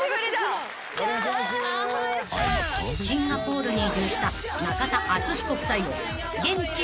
［シンガポールに移住した中田敦彦夫妻を現地で直撃］